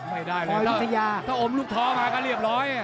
ไม่ได้แล้วถ้าอมลูกท้องมาก็เรียบร้อย